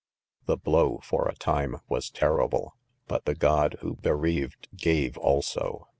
4 The Mow, for a time, was teiacible .} hut the God who kreaved.gave also.